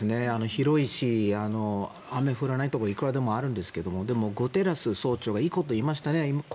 広いし、雨が降らないところがいくらでもあるんですけどでもグテーレス事務総長がいいこと言いましたね。